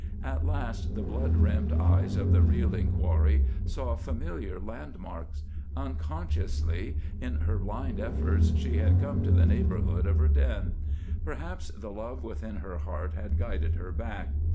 At last the blood rimmed eyes of the reeling quarry saw familiar landmarks. Unconsciously, in her blind efforts, she had come to the neighborhood of her den. Perhaps the love within her heart had guided her back.